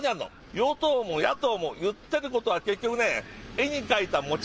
与党も野党も言っていることは結局ね、絵に描いた餅。